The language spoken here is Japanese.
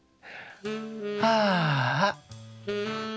ああ。